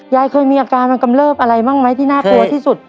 ยายเคยมีอาการมันกำเริบอะไรบ้างไหมที่น่ากลัวที่สุด